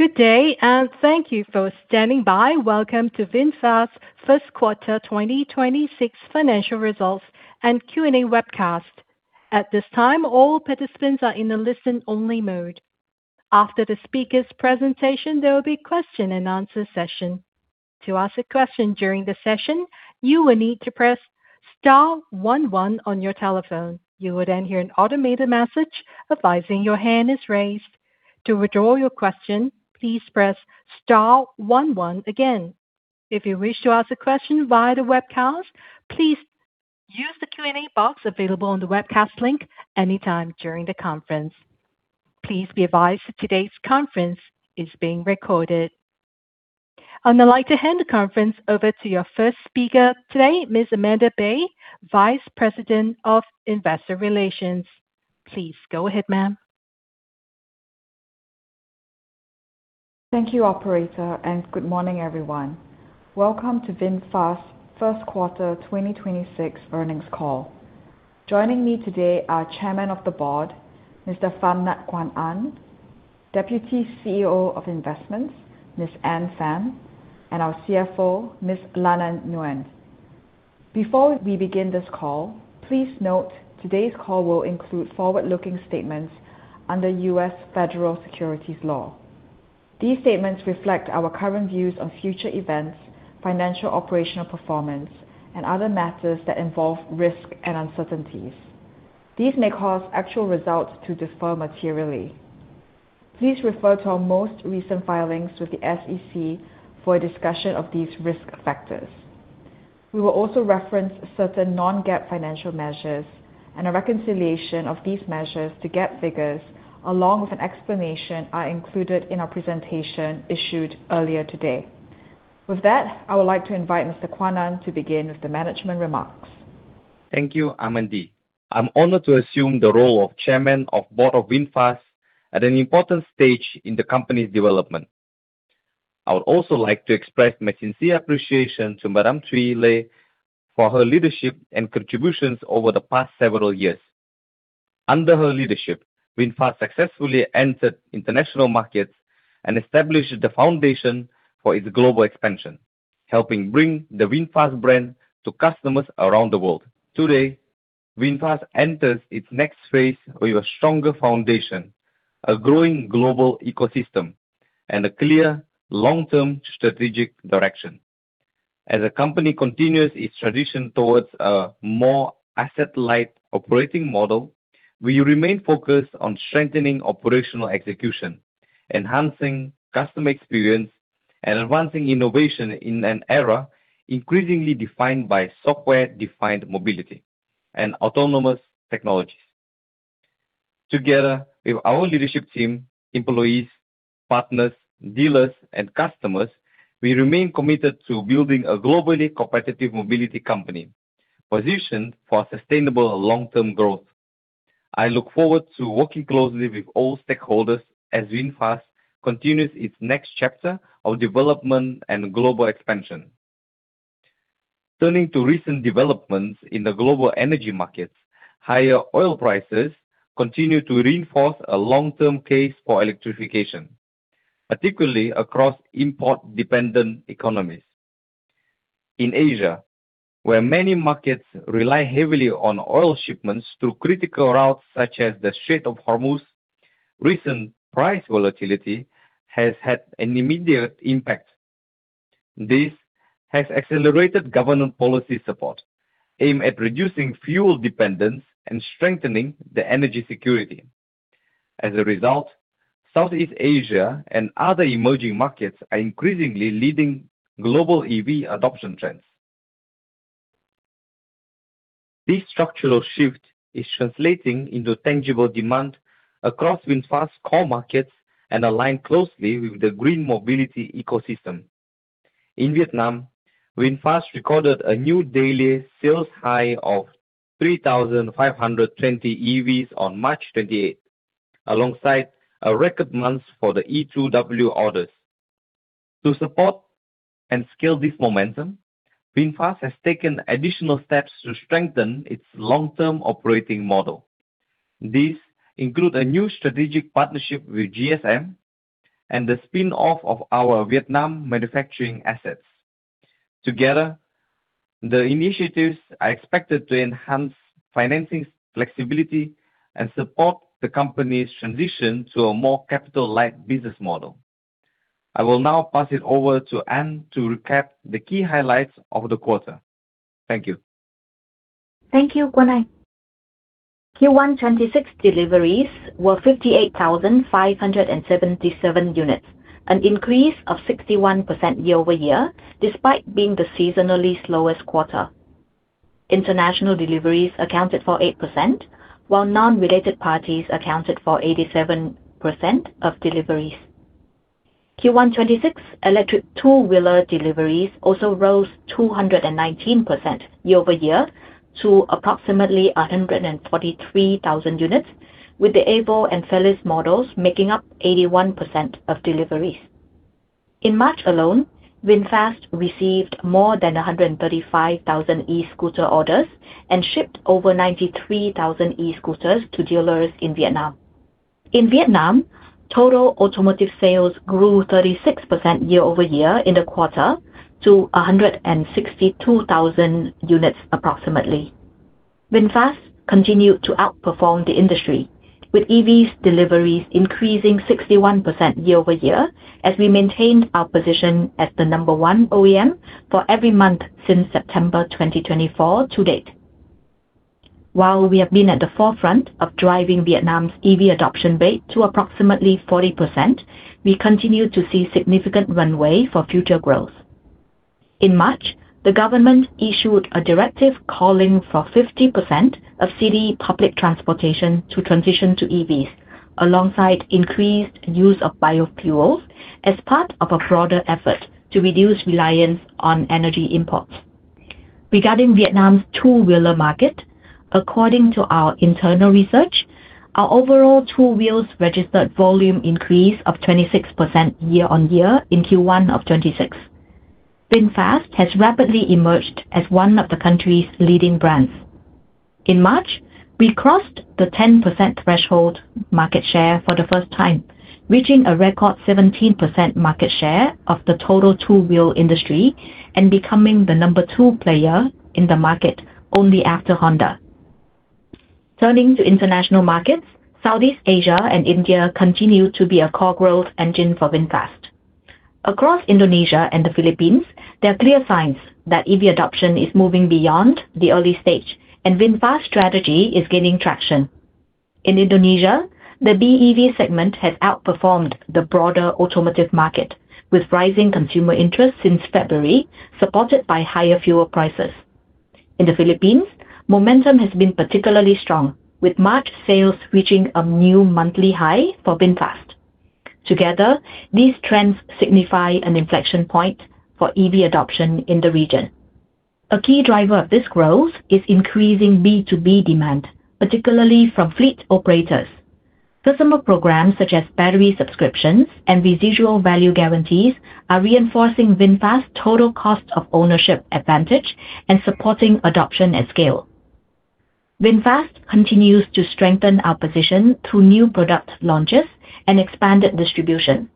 Good day, and thank you for standing by. Welcome to VinFast's first quarter 2026 financial results and Q and A webcast. At this time, all participants are in a listen-only mode. After the speaker's presentation, there will be a question-and-answer session. To ask a question during the session, you will need to press star one one on your telephone. You will then hear an automated message advising your hand is raised. To withdraw your question, please press star one one again. If you wish to ask a question via the webcast, please use the Q and A box available on the webcast link anytime during the conference. Please be advised that today's conference is being recorded. I'd like to hand the conference over to your first speaker today, Ms. Amandae Baey, Vice President of Investor Relations. Please go ahead, ma'am. Thank you, operator, and good morning, everyone. Welcome to VinFast's first quarter 2026 earnings call. Joining me today are Chairman of the Board, Mr. Pham Nhat Quan Anh, Deputy CEO of Investments, Ms. Anne Pham, and our CFO, Ms. Lan Anh Nguyen. Before we begin this call, please note today's call will include forward-looking statements under U.S. Federal Securities Law. These statements reflect our current views on future events, financial operational performance, and other matters that involve risk and uncertainties. These may cause actual results to differ materially. Please refer to our most recent filings with the SEC for a discussion of these risk factors. We will also reference certain non-GAAP financial measures and a reconciliation of these measures to GAAP figures, along with an explanation are included in our presentation issued earlier today. With that, I would like to invite Mr. Quan Anh to begin with the management remarks. Thank you, Amandae. I'm honored to assume the role of Chairman of the Board of VinFast at an important stage in the company's development. I would also like to express my sincere appreciation to Madam Thủy Lê for her leadership and contributions over the past several years. Under her leadership, VinFast successfully entered international markets and established the foundation for its global expansion, helping bring the VinFast brand to customers around the world. Today, VinFast enters its next phase with a stronger foundation, a growing global ecosystem, and a clear long-term strategic direction. As the company continues its tradition towards a more asset-light operating model, we remain focused on strengthening operational execution, enhancing customer experience, and advancing innovation in an era increasingly defined by software-defined mobility and autonomous technologies. Together with our leadership team, employees, partners, dealers, and customers, we remain committed to building a globally competitive mobility company positioned for sustainable long-term growth. I look forward to working closely with all stakeholders as VinFast continues its next chapter of development and global expansion. Turning to recent developments in the global energy markets, higher oil prices continue to reinforce a long-term case for electrification, particularly across import-dependent economies. In Asia, where many markets rely heavily on oil shipments through critical routes such as the Strait of Hormuz, recent price volatility has had an immediate impact. This has accelerated government policy support aimed at reducing fuel dependence and strengthening energy security. As a result, Southeast Asia and other emerging markets are increasingly leading global EV adoption trends. This structural shift is translating into tangible demand across VinFast core markets and aligned closely with the green mobility ecosystem. In Vietnam, VinFast recorded a new daily sales high of 3,520 EVs on March 28th, alongside a record month for the E2W orders. To support and scale this momentum, VinFast has taken additional steps to strengthen its long-term operating model. These include a new strategic partnership with GSM and the spin-off of our Vietnam manufacturing assets. Together, the initiatives are expected to enhance financing flexibility and support the company's transition to a more capital-light business model. I will now pass it over to Anne to recap the key highlights of the quarter. Thank you. Thank you, Quan Anh. Q1 2026 deliveries were 58,577 units, an increase of 61% year-over-year, despite being the seasonally slowest quarter. International deliveries accounted for 8%, while non-related parties accounted for 87% of deliveries. Q1 2026 electric two-wheeler deliveries also rose 219% year-over-year to approximately 143,000 units, with the Evo and Feliz models making up 81% of deliveries. In March alone, VinFast received more than 135,000 e-scooter orders and shipped over 93,000 e-scooters to dealers in Vietnam. In Vietnam, total automotive sales grew 36% year-over-year in the quarter to 162,000 units approximately. VinFast continued to outperform the industry, with EV deliveries increasing 61% year-over-year as we maintained our position as the number one OEM for every month since September 2024 to date. While we have been at the forefront of driving Vietnam's EV adoption rate to approximately 40%, we continue to see significant runway for future growth. In March, the government issued a directive calling for 50% of city public transportation to transition to EVs, alongside increased use of biofuels as part of a broader effort to reduce reliance on energy imports. Regarding Vietnam's two-wheeler market, according to our internal research, our overall two-wheel registered volume increase of 26% year-on-year in Q1 of 2026. VinFast has rapidly emerged as one of the country's leading brands. In March, we crossed the 10% threshold market share for the first time, reaching a record 17% market share of the total two-wheel industry and becoming the number two player in the market, only after Honda. Turning to international markets, Southeast Asia and India continue to be a core growth engine for VinFast. Across Indonesia and the Philippines, there are clear signs that EV adoption is moving beyond the early stage and VinFast strategy is gaining traction. In Indonesia, the BEV segment has outperformed the broader automotive market, with rising consumer interest since February, supported by higher fuel prices. In the Philippines, momentum has been particularly strong, with March sales reaching a new monthly high for VinFast. Together, these trends signify an inflection point for EV adoption in the region. A key driver of this growth is increasing B2B demand, particularly from fleet operators. Systemic programs such as battery subscriptions and residual value guarantees are reinforcing VinFast total cost of ownership advantage and supporting adoption at scale. VinFast continues to strengthen our position through new product launches and expanded distribution.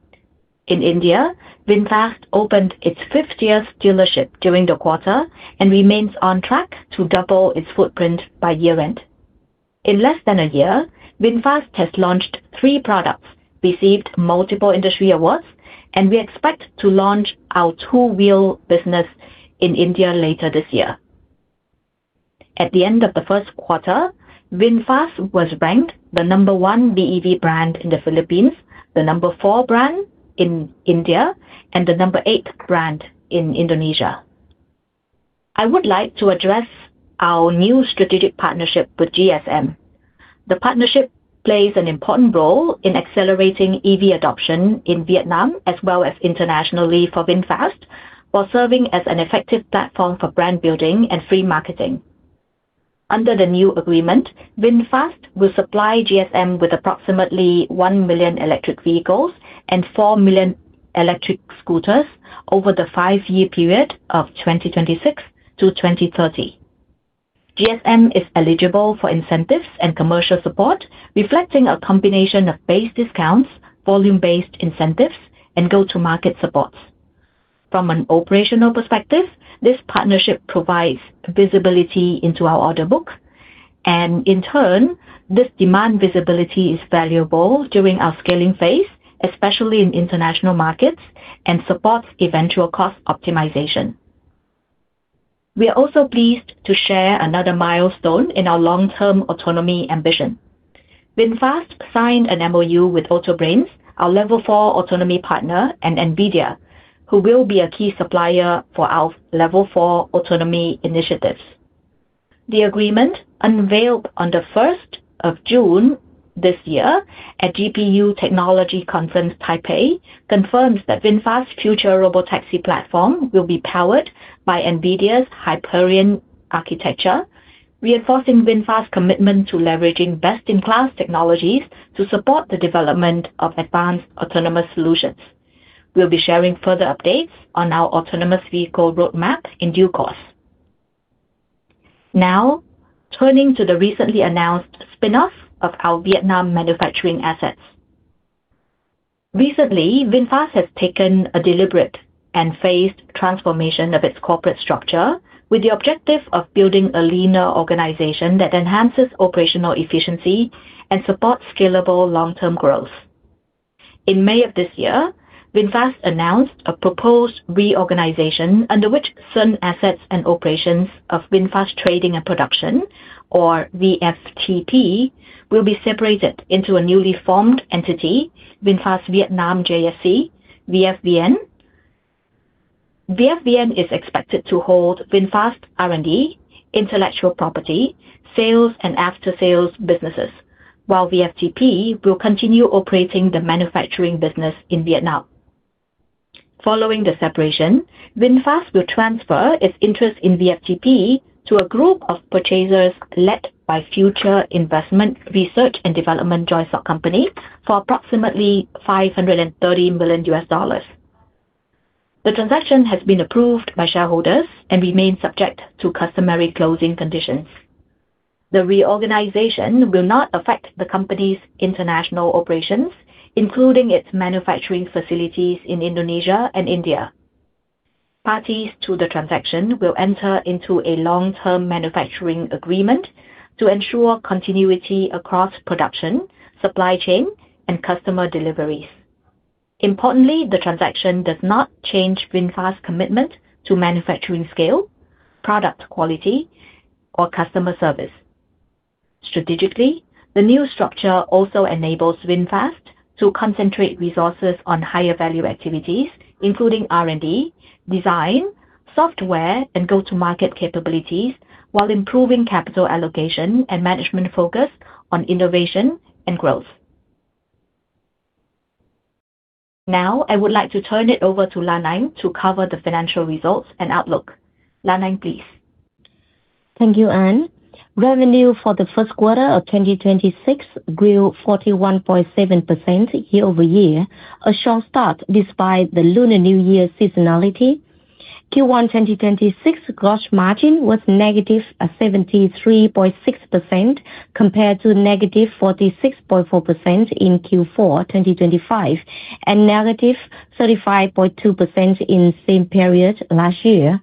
In India, VinFast opened its 50th dealership during the quarter and remains on track to double its footprint by year-end. In less than a year, VinFast has launched three products, received multiple industry awards, and we expect to launch our two-wheel business in India later this year. At the end of the first quarter, VinFast was ranked the number one BEV brand in the Philippines, the number four brand in India, and the number eight brand in Indonesia. I would like to address our new strategic partnership with GSM. The partnership plays an important role in accelerating EV adoption in Vietnam as well as internationally for VinFast, while serving as an effective platform for brand building and free marketing. Under the new agreement, VinFast will supply GSM with approximately 1 million electric vehicles and 4 million electric scooters over the five-year period of 2026-2030. GSM is eligible for incentives and commercial support, reflecting a combination of base discounts, volume-based incentives, and go-to-market supports. From an operational perspective, this partnership provides visibility into our order book, and in turn, this demand visibility is valuable during our scaling phase, especially in international markets, and supports eventual cost optimization. We are also pleased to share another milestone in our long-term autonomy ambition. VinFast signed an MOU with Autobrains, our level 4 autonomy partner, and NVIDIA, who will be a key supplier for our level 4 autonomy initiatives. The agreement, unveiled on the 1st of June this year at GPU Technology Conference, Taipei, confirms that VinFast's future Robotaxi platform will be powered by NVIDIA's Hyperion architecture, reinforcing VinFast's commitment to leveraging best-in-class technologies to support the development of advanced autonomous solutions. We'll be sharing further updates on our autonomous vehicle roadmap in due course. Now, turning to the recently announced spinoff of our Vietnam manufacturing assets. Recently, VinFast has taken a deliberate and phased transformation of its corporate structure with the objective of building a leaner organization that enhances operational efficiency and supports scalable long-term growth. In May of this year, VinFast announced a proposed reorganization under which certain assets and operations of VinFast Trading and Production, or VFTP, will be separated into a newly formed entity, VinFast Vietnam JSC, VFVN. VFVN is expected to hold VinFast R&D, intellectual property, sales, and after-sales businesses, while VFTP will continue operating the manufacturing business in Vietnam. Following the separation, VinFast will transfer its interest in VFTP to a group of purchasers led by Future Investment Research and Development Joint Stock Company for approximately $530 million. The transaction has been approved by shareholders and remains subject to customary closing conditions. The reorganization will not affect the company's international operations, including its manufacturing facilities in Indonesia and India. Parties to the transaction will enter into a long-term manufacturing agreement to ensure continuity across production, supply chain, and customer deliveries. Importantly, the transaction does not change VinFast's commitment to manufacturing scale, product quality, or customer service. Strategically, the new structure also enables VinFast to concentrate resources on higher value activities, including R&D, design, software, and go-to-market capabilities, while improving capital allocation and management focus on innovation and growth. Now, I would like to turn it over to Lan Anh to cover the financial results and outlook. Lan Anh, please. Thank you, Anne. Revenue for the first quarter of 2026 grew 41.7% year-over-year, a strong start despite the Lunar New Year seasonality. Q1 2026 gross margin was -73.6%, compared to -46.4% in Q4 2025, and -35.2% in the same period last year.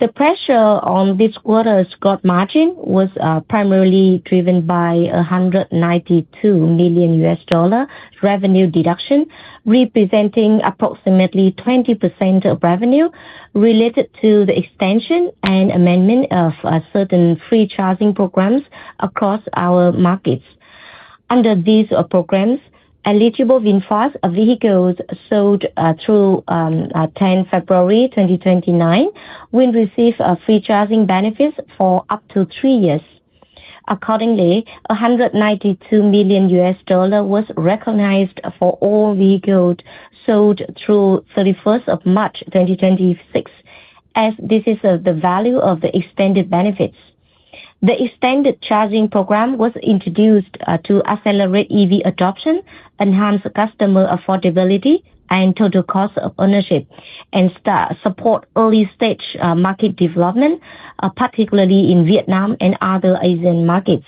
The pressure on this quarter's gross margin was primarily driven by $192 million revenue deduction, representing approximately 20% of revenue related to the extension and amendment of certain free charging programs across our markets. Under these programs, eligible VinFast vehicles sold through 10 February 2029 will receive free charging benefits for up to three years. Accordingly, $192 million was recognized for all vehicles sold through 31st of March 2026, as this is the value of the extended benefits. The extended charging program was introduced to accelerate EV adoption, enhance customer affordability and total cost of ownership, and support early-stage market development, particularly in Vietnam and other Asian markets.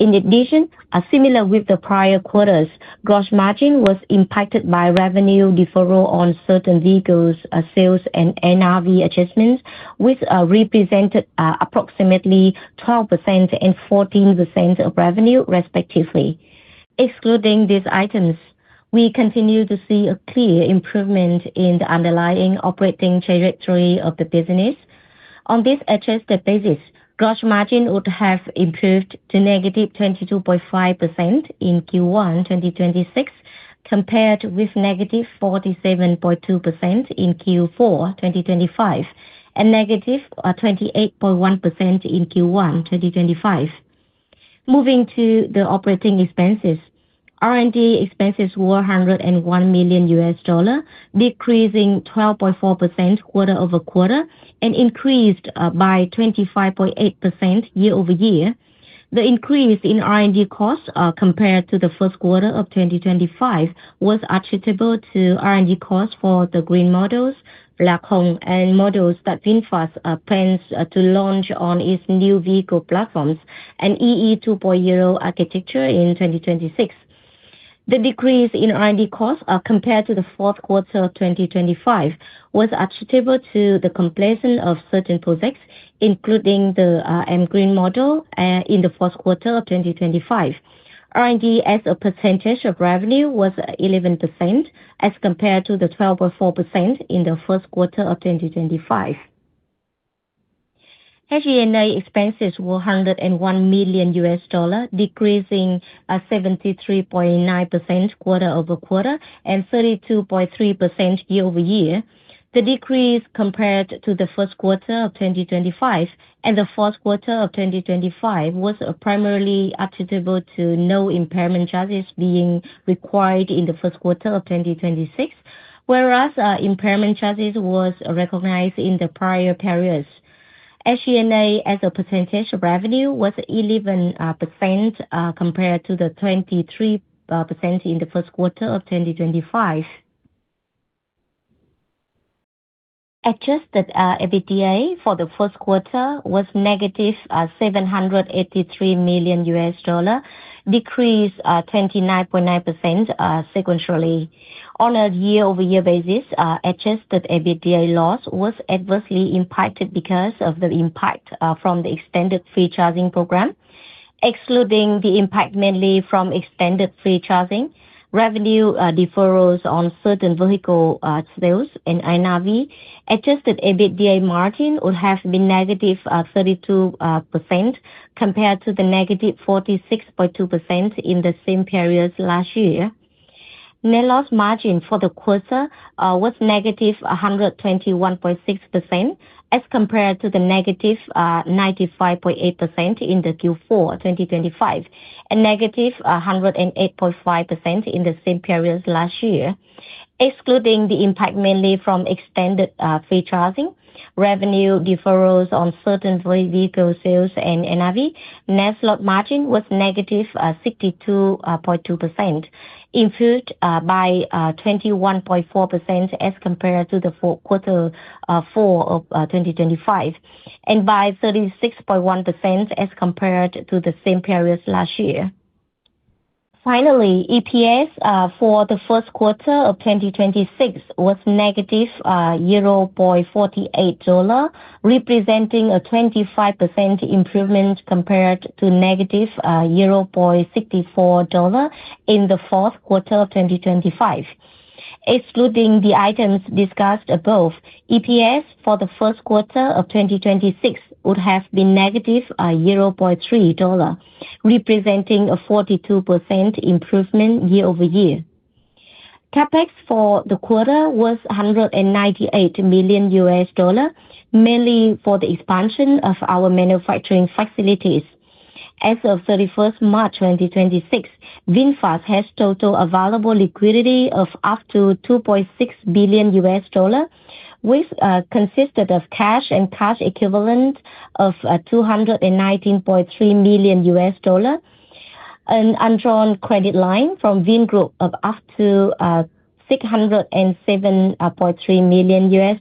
In addition, similar with the prior quarter's, gross margin was impacted by revenue deferral on certain vehicles sales and NRV adjustments, which represented approximately 12% and 14% of revenue respectively. Excluding these items, we continue to see a clear improvement in the underlying operating trajectory of the business. On this adjusted basis, gross margin would have improved to -22.5% in Q1 2026, compared with -47.2% in Q4 2025, and -28.1% in Q1 2025. Moving to the operating expenses. R&D expenses were $101 million, decreasing 12.4% quarter-over-quarter, and increased by 25.8% year-over-year. The increase in R&D costs compared to the first quarter of 2025 was attributable to R&D costs for the Green models, Lac Hong, and models that VinFast plans to launch on its new vehicle platforms and EE 2.0 architecture in 2026. The decrease in R&D costs compared to the fourth quarter of 2025 was attributable to the completion of certain projects, including the M Green model in the first quarter of 2025. R&D as a percentage of revenue was 11%, as compared to the 12.4% in the first quarter of 2025. SG&A expenses were $101 million, decreasing 73.9% quarter-over-quarter, and 32.3% year-over-year. The decrease compared to the first quarter of 2025 and the fourth quarter of 2025 was primarily attributable to no impairment charges being required in the first quarter of 2026, whereas impairment charges was recognized in the prior periods. SG&A as a percentage of revenue was 11%, compared to the 23% in the first quarter of 2025. Adjusted EBITDA for the first quarter was negative $783 million, a decrease of 29.9% sequentially. On a year-over-year basis, Adjusted EBITDA loss was adversely impacted because of the impact from the extended free charging program. Excluding the impact mainly from extended free charging, revenue deferrals on certain vehicle sales, and NRV, Adjusted EBITDA margin would have been -32%, compared to the -46.2% in the same period last year. Net loss margin for the quarter was -121.6%, as compared to the -95.8% in Q4 2025, and -108.5% in the same period last year. Excluding the impact mainly from extended free charging, revenue deferrals on certain three vehicle sales and NRV, net loss margin was -62.2%, improved by 21.4% as compared to Q4 2025, and by 36.1% as compared to the same period last year. Finally, EPS for the first quarter of 2026 was -$0.48, representing a 25% improvement compared to -$0.64 in the fourth quarter of 2025. Excluding the items discussed above, EPS for the first quarter of 2026 would have been -$0.3, representing a 42% improvement year-over-year. CapEx for the quarter was $198 million, mainly for the expansion of our manufacturing facilities. As of 31st March 2026, VinFast has total available liquidity of up to $2.6 billion, which consisted of cash and cash equivalent of $219.3 million, an undrawn credit line from Vingroup of up to $607.3 million,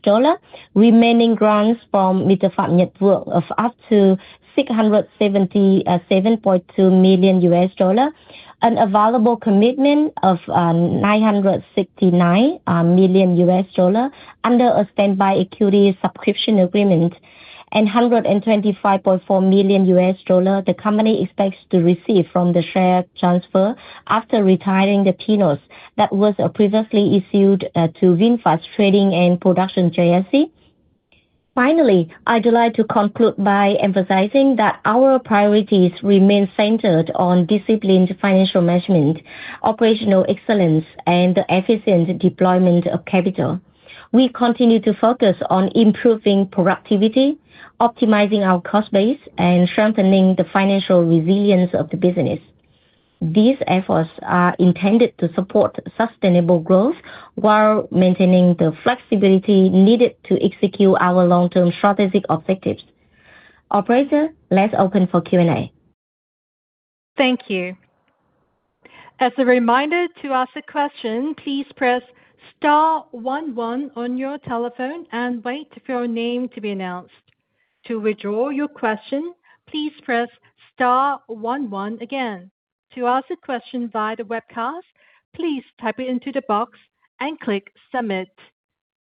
remaining grants from Mr. Pham Nhat Vuong of up to $677.2 million, an available commitment of $969 million under a standby equity subscription agreement, and $125.4 million the company expects to receive from the share transfer after retiring the promissory note that was previously issued to VinFast Trading and Production JSC. Finally, I'd like to conclude by emphasizing that our priorities remain centered on disciplined financial management, operational excellence, and the efficient deployment of capital. We continue to focus on improving productivity, optimizing our cost base, and strengthening the financial resilience of the business. These efforts are intended to support sustainable growth while maintaining the flexibility needed to execute our long-term strategic objectives. Operator, let's open for Q and A. Thank you. As a reminder, to ask a question, please press star one one on your telephone and wait for your name to be announced. To withdraw your question, please press star one one again. To ask a question via the webcast, please type it into the box and click submit.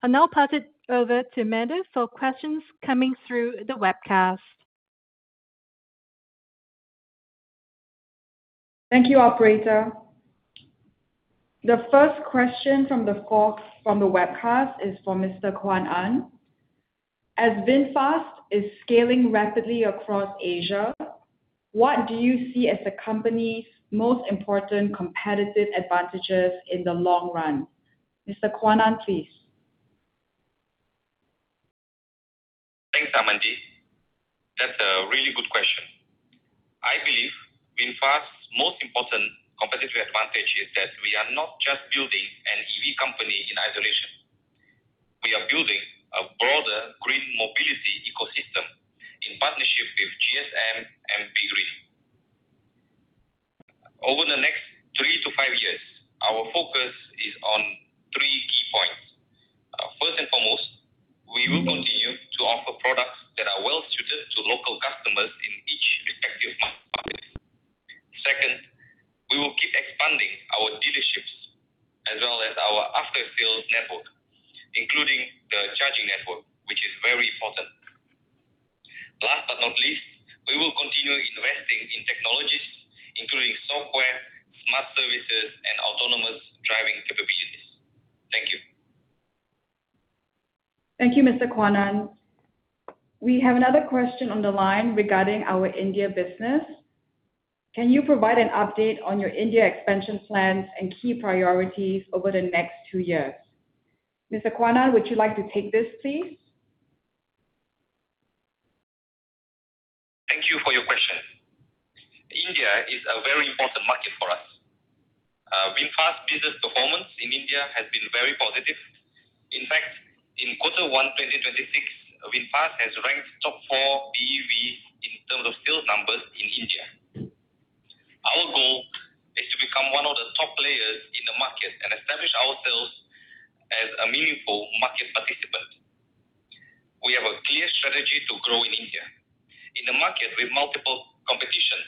I'll now pass it over to Amandae for questions coming through the webcast. Thank you, operator. The first question from the webcast is for Mr. Quan Anh. As VinFast is scaling rapidly across Asia, what do you see as the company's most important competitive advantages in the long run? Mr. Quan Anh, please. Thanks, Amandae. That's a really good question. I believe VinFast's most important competitive advantage is that we are not just building an EV company in isolation. We are building a broader green mobility ecosystem in partnership with GSM and Green. Over the next three to five years, our focus is on three key points. First and foremost, we will continue to offer products that are well-suited to local customers in each respective market. Second, we will keep expanding our dealerships as well as our after-sales network, including the charging network, which is very important. Last but not least, we will continue investing in technologies, including software, smart services, and autonomous driving capabilities. Thank you. Thank you, Mr. Quan Anh. We have another question on the line regarding our India business. Can you provide an update on your India expansion plans and key priorities over the next two years? Mr. Quan Anh, would you like to take this, please? Thank you for your question. India is a very important market for us. VinFast business performance in India has been very positive. In fact, in quarter one, 2026, VinFast has ranked top four BEV in terms of sales numbers in India. Our goal is to become one of the top players in the market and establish ourselves as a meaningful market participant. We have a clear strategy to grow in India. In the market with multiple competition,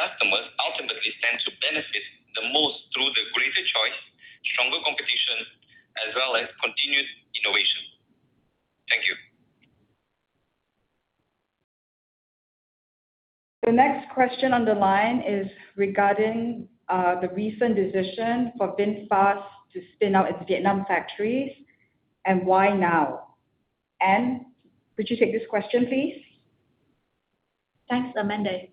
customers ultimately stand to benefit the most through the greater choice, stronger competition, as well as continuous innovation. Thank you. The next question on the line is regarding the recent decision for VinFast to spin out its Vietnam factories, and why now. Anne, would you take this question, please? Thanks, Amandae.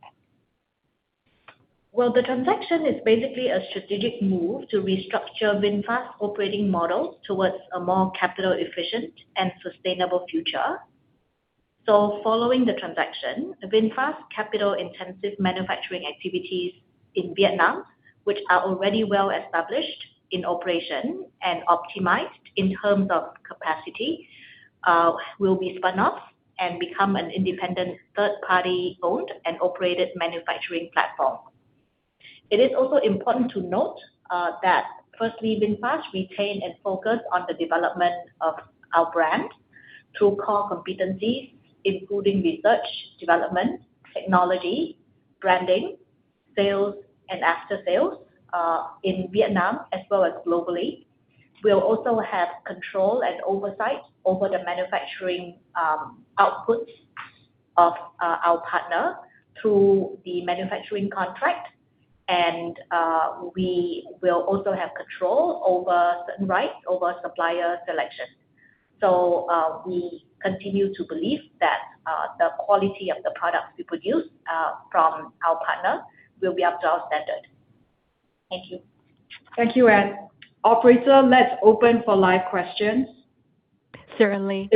Well, the transaction is basically a strategic move to restructure VinFast's operating model towards a more capital efficient and sustainable future. Following the transaction, VinFast capital-intensive manufacturing activities in Vietnam, which are already well established in operation and optimized in terms of capacity, will be spun off and become an independent third-party-owned and operated manufacturing platform. It is also important to note that firstly, VinFast retain and focus on the development of our brand through core competencies, including research, development, technology, branding, sales, and aftersales, in Vietnam as well as globally. We'll also have control and oversight over the manufacturing outputs of our partner through the manufacturing contract. We will also have control over certain rights over supplier selection. We continue to believe that the quality of the products we produce from our partner will be up to our standard. Thank you. Thank you, Anne. Operator, let's open for live questions. Certainly.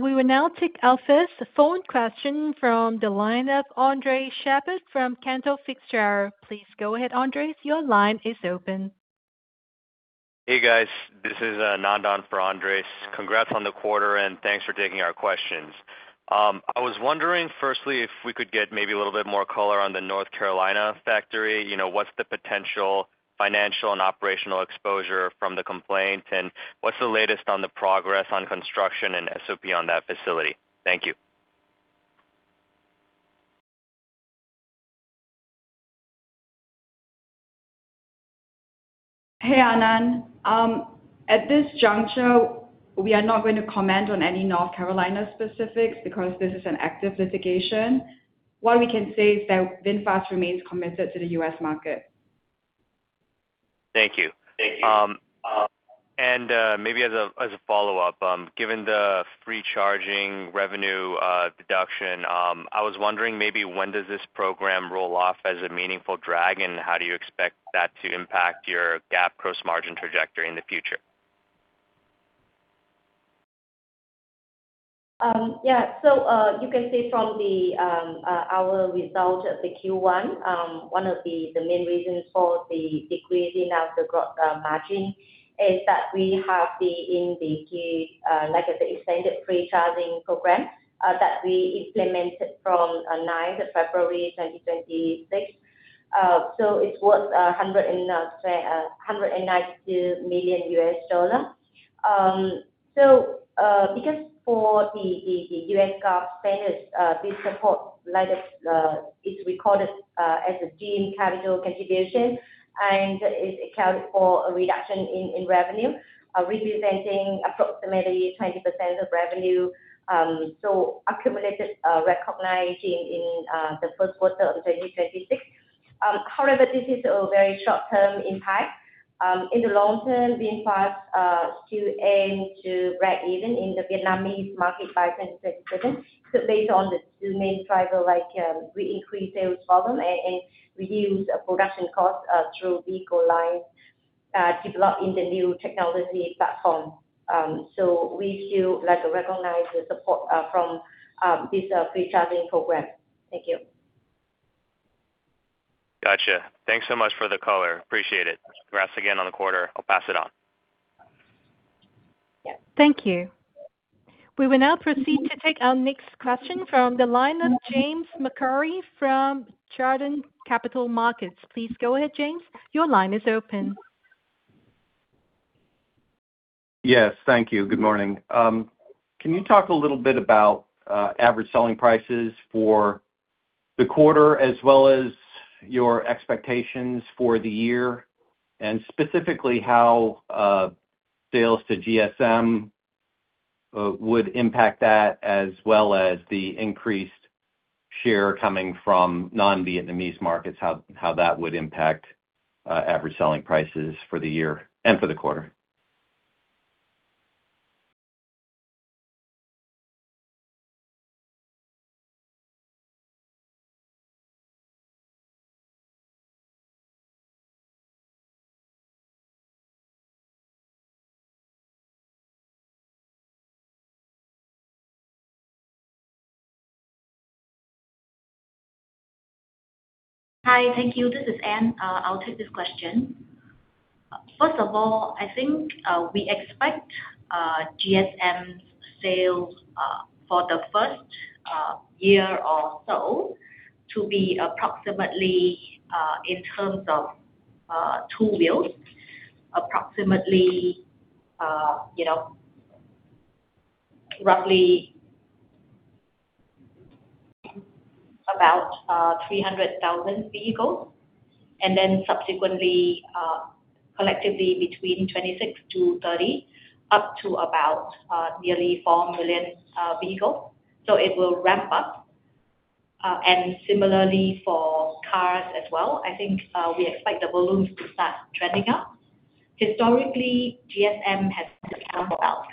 We will now take our first phone question from the line of Andres Sheppard from Cantor Fitzgerald. Please go ahead, Andres, your line is open. Hey, guys. This is Anan for Andres. Congrats on the quarter. Thanks for taking our questions. I was wondering, firstly, if we could get maybe a little bit more color on the North Carolina factory. What's the potential financial and operational exposure from the complaint, and what's the latest on the progress on construction and SOP on that facility? Thank you. Hey, Anan. At this juncture, we are not going to comment on any North Carolina specifics because this is an active litigation. What we can say is that VinFast remains committed to the U.S. market. Thank you. Maybe as a follow-up, given the free charging revenue deduction, I was wondering maybe when does this program roll off as a meaningful drag, and how do you expect that to impact your GAAP gross margin trajectory in the future? Yeah. You can see from our result of the Q1, one of the main reasons for the decreasing of the gross margin is that we have the, like I said, extended free charging program that we implemented from 9th of February 2026. It's worth $192 million. Because for the U.S. GAAP standards, this support is recorded as a deemed capital contribution, and it accounted for a reduction in revenue, representing approximately 20% of revenue, so accumulated recognizing in the first quarter of 2026. However, this is a very short-term impact. In the long term, VinFast still aim to break even in the Vietnamese market by 2027. Based on the two main driver, we increase sales volume and reduce production costs through vehicle line developed in the new technology platform. We still recognize the support from this free charging program. Thank you. Got you. Thanks so much for the color. Appreciate it. Congrats again on the quarter. I'll pass it on. Yeah. Thank you. We will now proceed to take our next question from the line of James McCurry from Chardan Capital Markets. Please go ahead, James. Your line is open. Yes. Thank you. Good morning. Can you talk a little bit about average selling prices for the quarter as well as your expectations for the year? Specifically how sales to GSM would impact that, as well as the increased share coming from non-Vietnamese markets, how that would impact average selling prices for the year and for the quarter? Hi. Thank you. This is Anne. I'll take this question. First of all, I think we expect GSM's sales for the first year or so to be approximately, in terms of two wheels, roughly about 300,000 vehicles. Subsequently, collectively between 26 to 30, up to about nearly 4 million vehicles. It will ramp up. Similarly for cars as well, I think we expect the volumes to start trending up. Historically, GSM has accounted for about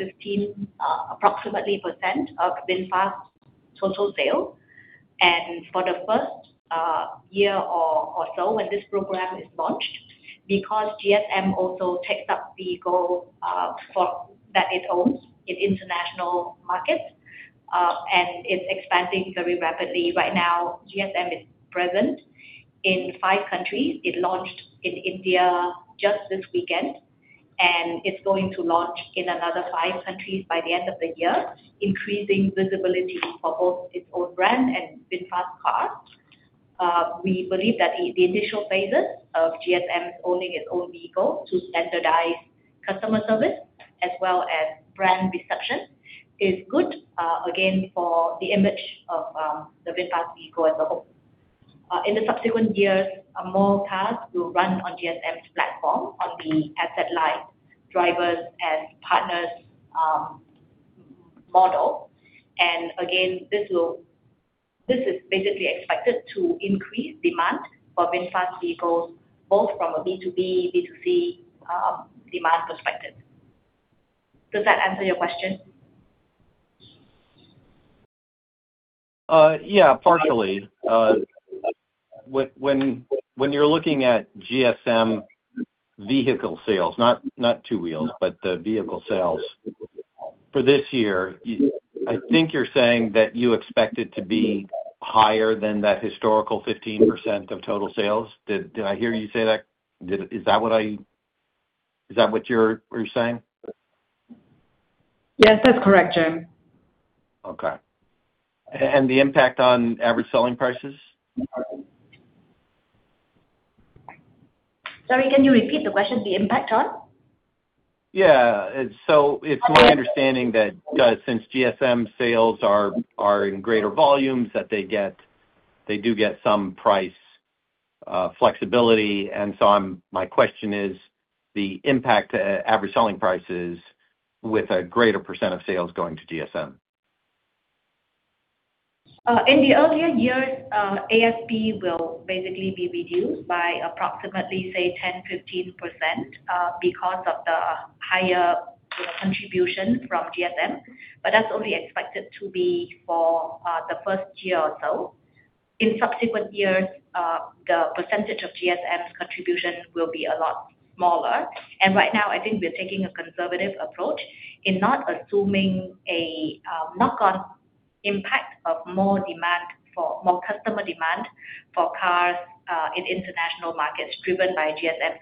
approximately 15% of VinFast total sale. For the first year or so when this program is launched, because GSM also takes up the vehicle that it owns in international markets, and it's expanding very rapidly. Right now, GSM is present in five countries. It launched in India just this weekend, and it's going to launch in another five countries by the end of the year, increasing visibility for both its own brand and VinFast cars. We believe that the initial phases of GSM owning its own vehicles to standardize customer service as well as brand perception is good, again, for the image of the VinFast vehicle as a whole. In the subsequent years, more cars will run on GSM's platform on the asset-light drivers and partners model. Again, this is basically expected to increase demand for VinFast vehicles, both from a B2B, B2C demand perspective. Does that answer your question? Yeah, partially. When you're looking at GSM vehicle sales, not two-wheeled, but the vehicle sales, for this year, I think you're saying that you expect it to be higher than that historical 15% of total sales. Did I hear you say that? Is that what you're saying? Yes, that's correct, Jim. Okay. The impact on average selling prices? Sorry, can you repeat the question, the impact on? Yeah. It's my understanding that since GSM sales are in greater volumes, that they do get some price flexibility. My question is the impact to average selling prices with a greater percentage of sales going to GSM. In the earlier years, ASP will basically be reduced by approximately, say, 10%-15% because of the higher contribution from GSM. That's only expected to be for the first year or so. In subsequent years, the percentage of GSM's contribution will be a lot smaller. Right now, I think we're taking a conservative approach in not assuming a knock-on impact of more customer demand for cars in international markets driven by GSM.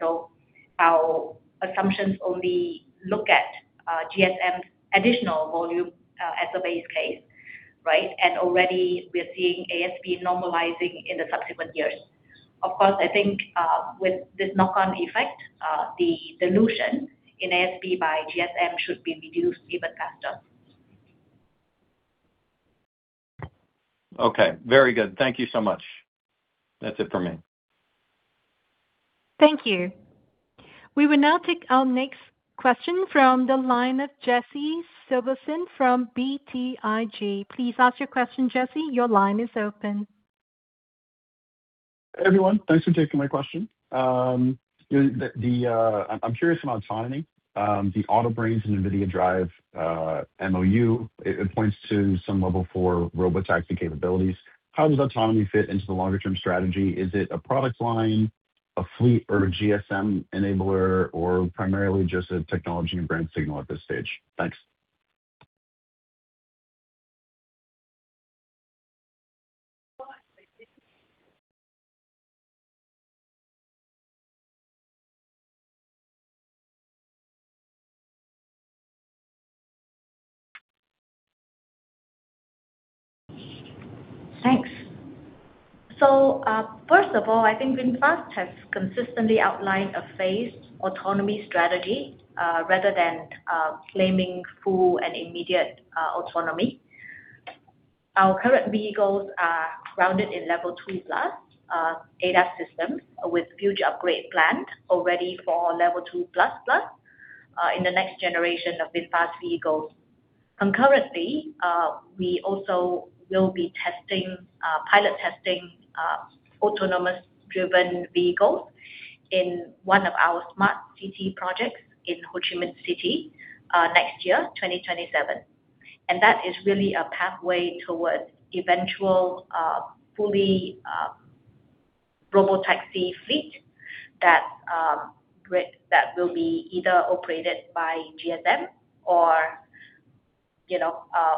Our assumptions only look at GSM's additional volume as a base case. Right? Already we're seeing ASP normalizing in the subsequent years. Of course, I think with this knock-on effect, the dilution in ASP by GSM should be reduced even faster. Okay. Very good. Thank you so much. That's it for me. Thank you. We will now take our next question from the line of Jesse Silverson from BTIG. Please ask your question, Jesse, your line is open. Everyone, thanks for taking my question. I'm curious about autonomy. The Autobrains and NVIDIA DRIVE MOU, it points to some level 4 Robotaxi capabilities. How does autonomy fit into the longer-term strategy? Is it a product line, a fleet, or a GSM enabler, or primarily just a technology and brand signal at this stage? Thanks. Thanks. First of all, I think VinFast has consistently outlined a phased autonomy strategy, rather than claiming full and immediate autonomy. Our current vehicles are grounded in level 2 plus ADAS systems with future upgrade planned already for level 2 plus plus in the next generation of VinFast vehicles. Concurrently, we also will be pilot-testing autonomous driven vehicles in one of our smart city projects in Ho Chi Minh City next year, 2027. That is really a pathway towards eventual fully Robotaxi fleet that will be either operated by GSM or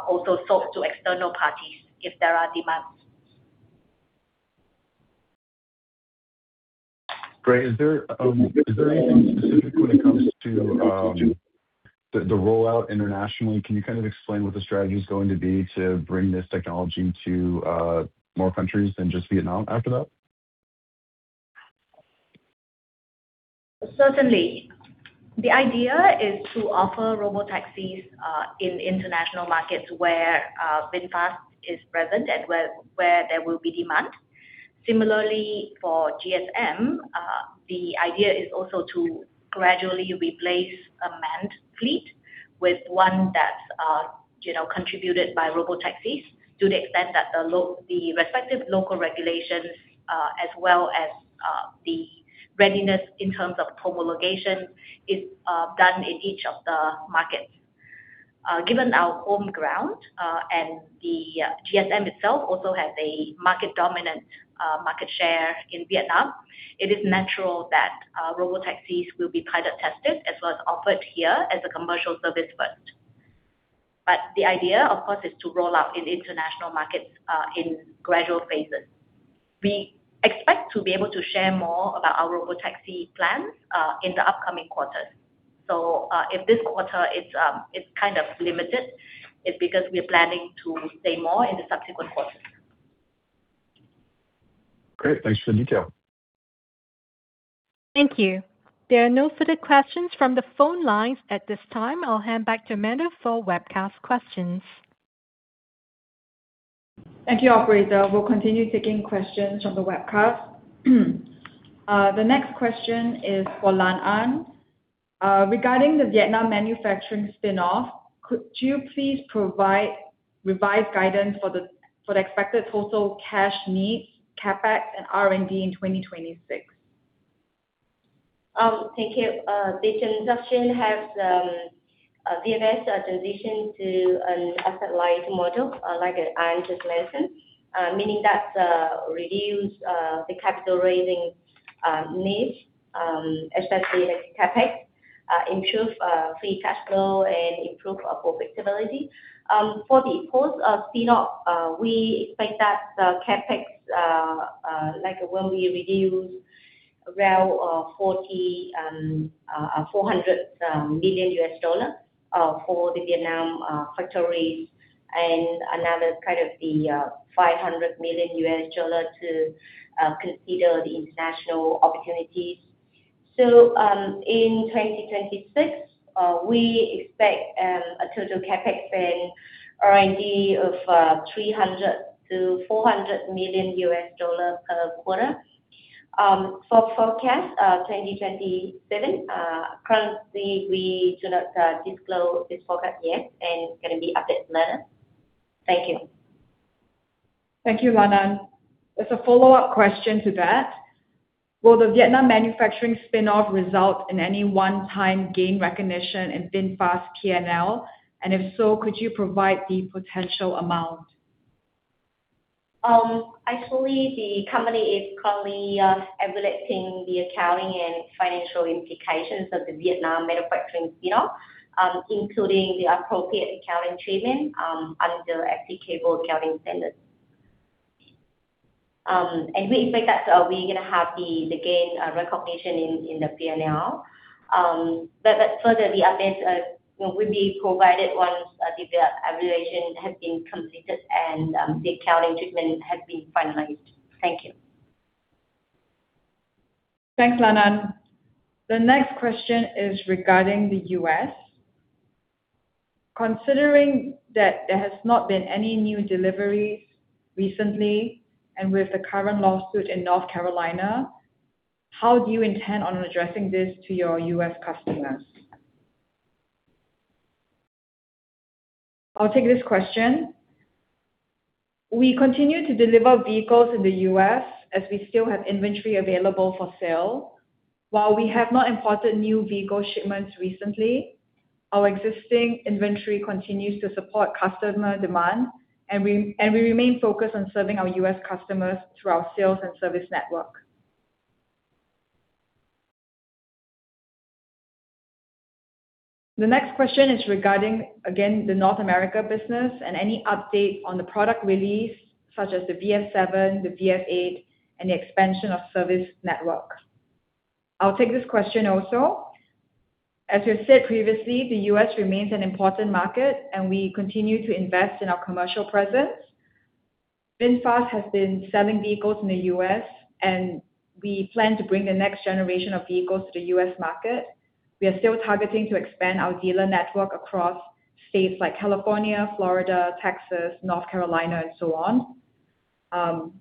also sold to external parties if there are demands. Great. Is there anything specific when it comes to the rollout internationally? Can you explain what the strategy is going to be to bring this technology to more countries than just Vietnam after that? Certainly. The idea is to offer Robotaxis in international markets where VinFast is present and where there will be demand. Similarly, for GSM, the idea is also to gradually replace a manned fleet with one that's contributed by Robotaxis to the extent that the respective local regulations, as well as the readiness in terms of homologation, is done in each of the markets. Given our home ground and the GSM itself also has a market dominant market share in Vietnam, it is natural that Robotaxis will be pilot tested as well as offered here as a commercial service first. The idea, of course, is to roll out in international markets in gradual phases. We expect to be able to share more about our Robotaxi plans in the upcoming quarters. If this quarter it's limited, it's because we are planning to say more in the subsequent quarters. Great. Thanks for the detail. Thank you. There are no further questions from the phone lines at this time. I'll hand back to Amandae for webcast questions. Thank you, operator. We'll continue taking questions from the webcast. The next question is for Lan Anh. Regarding the Vietnam manufacturing spinoff, could you please provide revised guidance for the expected total cash needs, CapEx, and R&D in 2026? Thank you. VMS transition to an asset-light model, like Anne just mentioned. Meaning that reduce the capital raising needs, especially like CapEx, improve free cash flow, and improve our profitability. For the post spinoff, we expect that the CapEx, like when we reduce around $400 million for the Vietnam factories and another part of the $500 million to consider the international opportunities. In 2026, we expect a total CapEx spend R&D of $300 million-$400 million per quarter. For forecast 2027, currently, we do not disclose this forecast yet, and it's going to be updated later. Thank you. Thank you, Lan Anh. As a follow-up question to that, will the Vietnam manufacturing spinoff result in any one-time gain recognition in VinFast P&L? If so, could you provide the potential amount? Actually, the company is currently evaluating the accounting and financial implications of the Vietnam manufacturing spinoff, including the appropriate accounting treatment under applicable accounting standards. We expect that we're going to have the gain recognition in the P&L. Further the updates will be provided once the evaluation has been completed and the accounting treatment has been finalized. Thank you. Thanks, Lan Anh. The next question is regarding the U.S. Considering that there has not been any new deliveries recently, and with the current lawsuit in North Carolina, how do you intend on addressing this to your U.S. customers? I'll take this question. We continue to deliver vehicles in the U.S. as we still have inventory available for sale. While we have not imported new vehicle shipments recently, our existing inventory continues to support customer demand, and we remain focused on serving our U.S. customers through our sales and service network. The next question is regarding, again, the North America business and any update on the product release, such as the VF 7, the VF 8, and the expansion of service network. I'll take this question also. As we've said previously, the U.S. remains an important market, and we continue to invest in our commercial presence. VinFast has been selling vehicles in the U.S., and we plan to bring the next generation of vehicles to the U.S. market. We are still targeting to expand our dealer network across states like California, Florida, Texas, North Carolina, and so on.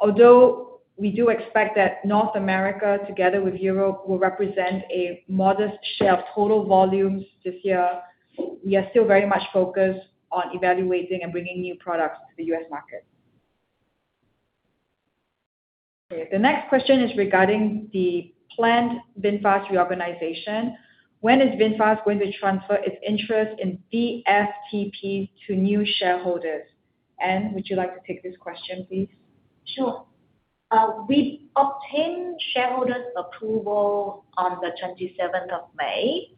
Although we do expect that North America, together with Europe, will represent a modest share of total volumes this year, we are still very much focused on evaluating and bringing new products to the U.S. market. Okay. The next question is regarding the planned VinFast reorganization. When is VinFast going to transfer its interest in VFTP to new shareholders? Anne, would you like to take this question, please? Sure. We obtained shareholders' approval on the 27th of May,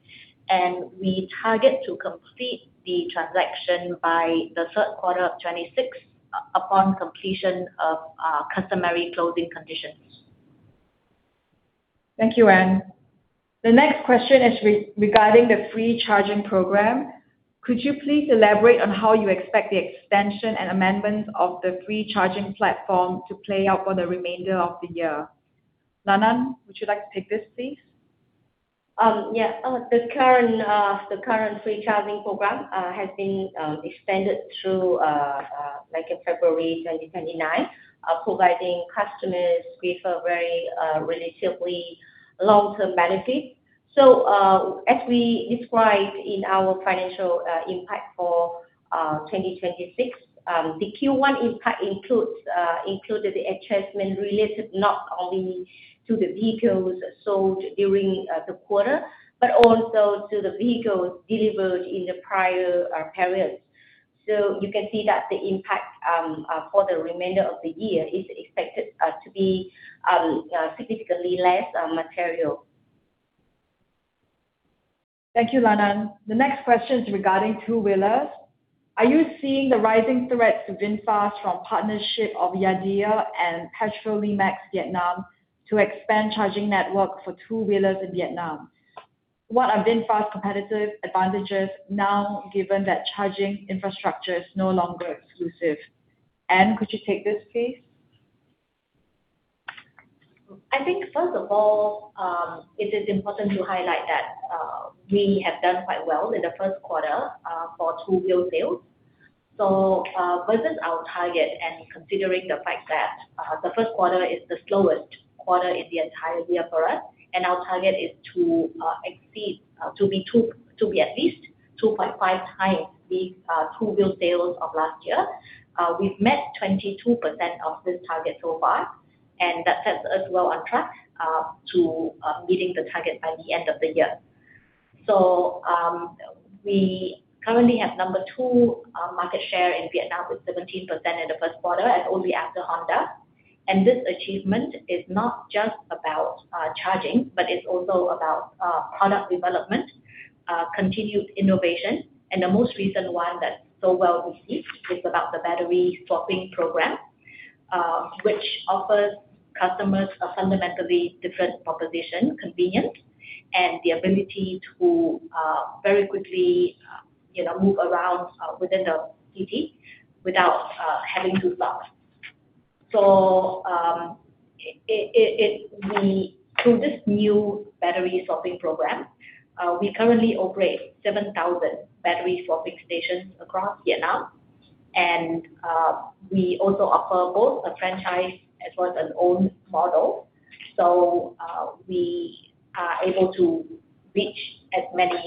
and we target to complete the transaction by the third quarter of 2026 upon completion of customary closing conditions. Thank you, Anne. The next question is regarding the free charging program. Could you please elaborate on how you expect the extension and amendments of the free charging platform to play out for the remainder of the year? Lan Anh, would you like to take this, please? The current free charging program has been extended through February 2029, providing customers with a very relatively long-term benefit. As we described in our financial impact for 2026, the Q1 impact included the adjustment related not only to the vehicles sold during the quarter, but also to the vehicles delivered in the prior periods. You can see that the impact for the remainder of the year is expected to be significantly less material. Thank you, Lan Anh. The next question is regarding two-wheelers. Are you seeing the rising threat to VinFast from partnership of Yadea and Petrolimex Vietnam to expand charging network for two-wheelers in Vietnam? What are VinFast's competitive advantages now, given that charging infrastructure is no longer exclusive? Anne, could you take this, please? I think first of all, it is important to highlight that we have done quite well in the first quarter for two-wheel sales. Versus our target and considering the fact that the first quarter is the slowest quarter in the entire year for us, and our target is to be at least 2.5 times the two-wheel sales of last year. We've met 22% of this target so far, and that has us well on track to meeting the target by the end of the year. We currently have number two market share in Vietnam, with 17% in the first quarter, and only after Honda. This achievement is not just about charging, but it's also about product development, continued innovation, and the most recent one that's so well received is about the battery swapping program, which offers customers a fundamentally different proposition, convenience, and the ability to very quickly move around within the city without having to stop. Through this new battery swapping program, we currently operate 7,000 battery swapping stations across Vietnam. We also offer both a franchise as well as an owned model. We are able to reach as many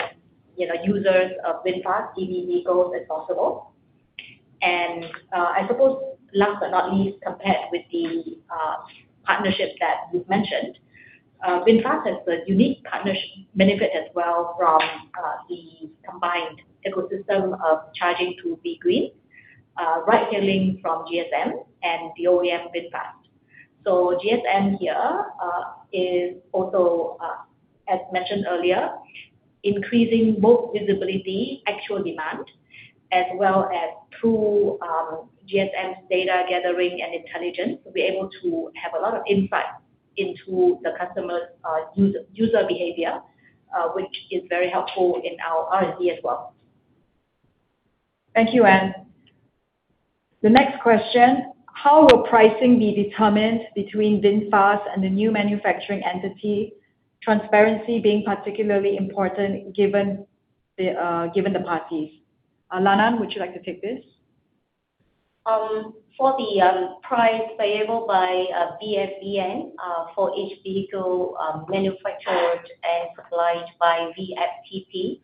users of VinFast EV vehicles as possible. I suppose last but not least, compared with the partnerships that you've mentioned, VinFast has a unique benefit as well from the combined ecosystem of charging through V-Green, ride-hailing from GSM, and the OEM VinFast. GSM here is also, as mentioned earlier, increasing both visibility, actual demand, as well as through GSM's data gathering and intelligence, we're able to have a lot of insight into the customer's user behavior, which is very helpful in our R&D as well. Thank you, Anne. The next question: how will pricing be determined between VinFast and the new manufacturing entity, transparency being particularly important given the parties? Lan Anh, would you like to take this? For the price payable by VFVN for each vehicle manufactured and supplied by VFTP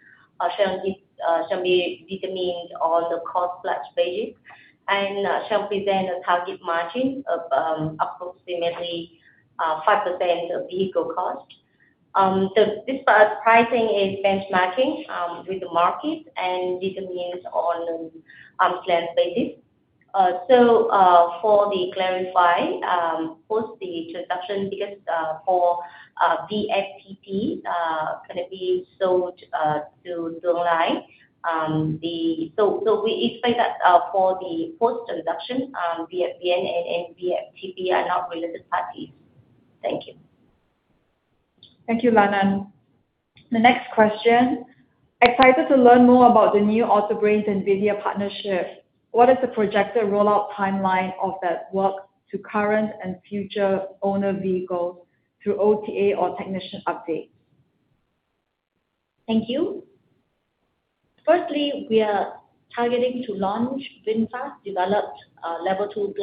shall be determined on the cost-plus basis and shall present a target margin of approximately 5% of vehicle cost. This pricing is benchmarking with the market and determined on an arm's length basis. For the clarify, post the transaction because for VFTP going to be sold to Dzung Anh. We expect that for the post-transaction, VFVN and VFTP are not related parties. Thank you. Thank you, Lan Anh. The next question. Excited to learn more about the new Autobrains NVIDIA partnership. What is the projected rollout timeline of that work to current and future owner vehicles through OTA or technician updates? Thank you. Firstly, we are targeting to launch VinFast-developed Level 2+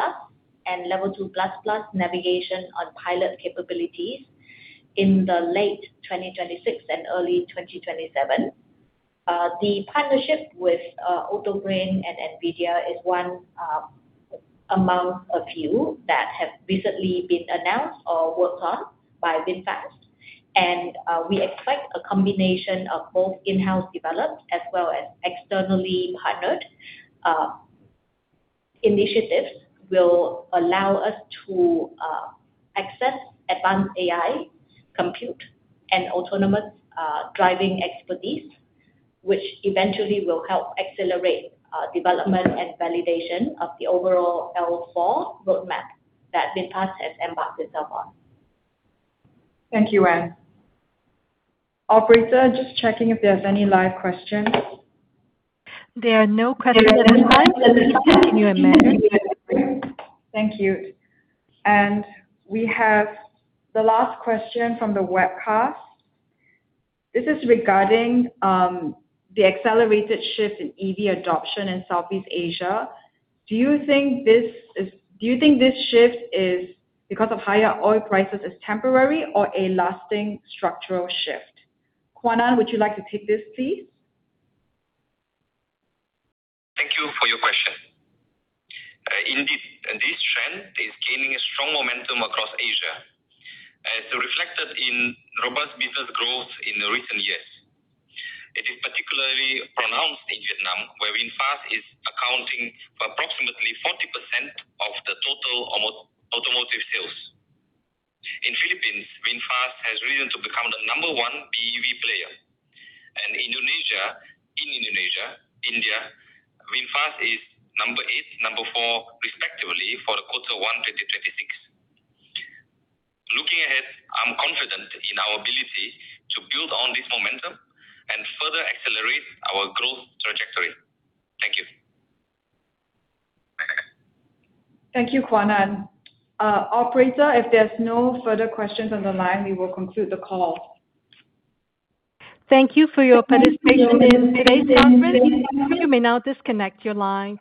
and Level 2++ Navigate on Pilot capabilities in the late 2026 and early 2027. The partnership with Autobrains and NVIDIA is one among a few that have recently been announced or worked on by VinFast. We expect a combination of both in-house developed as well as externally partnered initiatives will allow us to access advanced AI, compute, and autonomous driving expertise, which eventually will help accelerate development and validation of the overall L4 roadmap that VinFast has embarked itself on. Thank you, Anne. Operator, just checking if there's any live questions. There are no questions in line. You may continue, Amandae. Thank you. We have the last question from the webcast. This is regarding the accelerated shift in EV adoption in Southeast Asia. Do you think this shift is because of higher oil prices, is temporary or a lasting structural shift? Quan Anh, would you like to take this, please? Thank you for your question. Indeed, this trend is gaining strong momentum across Asia, as reflected in robust business growth in the recent years. It is particularly pronounced in Vietnam, where VinFast is accounting for approximately 40% of the total automotive sales. In Philippines, VinFast has risen to become the number one BEV player. In Indonesia, India, VinFast is number eight, number four respectively for the quarter one 2026. Looking ahead, I am confident in our ability to build on this momentum and further accelerate our growth trajectory. Thank you. Thank you, Quan Anh. Operator, if there is no further questions on the line, we will conclude the call. Thank you for your participation in today's conference. You may now disconnect your line.